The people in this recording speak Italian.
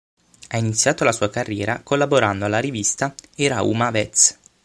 Ha iniziato la sua carriera collaborando alla rivista "Era uma vez".